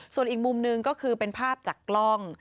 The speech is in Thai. ส่วนอีกมุมหนึ่งก็คือเป็นภาพจากกล้อง